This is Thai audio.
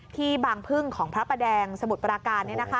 ที่บางพึ่งของพระประแดงสมุทรปราการ